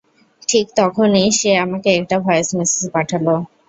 ঠিক তখনি সে আমাকে একটা ভয়েস মেসেজ পাঠাল।